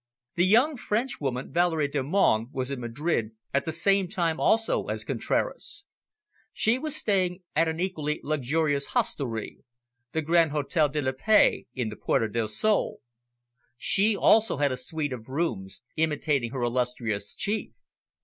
The young Frenchwoman, Valerie Delmonte, was in Madrid at the same time also as Contraras. She was staying at an equally luxurious hostelry the Grand Hotel de la Paix in the Puerta del Sol. She also had a suite of rooms, imitating her illustrious chief.